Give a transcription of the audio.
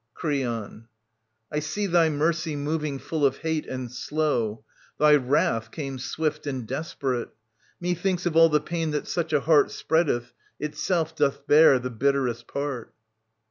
Creon. I see thy mercy moving full of hate And slow ; thy wrath came swift and desperate. Methinks, of all the pain that such a heart Spreadeth, itself doth bear the bitterest part.